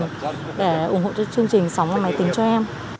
để ủng hộ cho chương trình sống và máy tính cho em